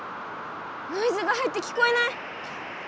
ノイズが入って聞こえない！